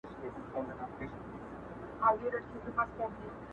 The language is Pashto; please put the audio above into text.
چي اوسمهال په اروپا کي هم همدا ګډوله پلې کېږي